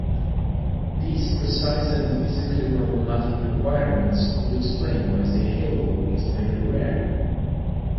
These precise and physically problematic requirements would explain why the halo is very rare.